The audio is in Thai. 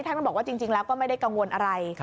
ท่านก็บอกว่าจริงแล้วก็ไม่ได้กังวลอะไร